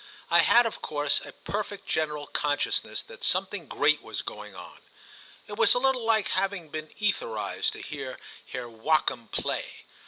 I had of course a perfect general consciousness that something great was going on: it was a little like having been etherised to hear Herr Joachim play.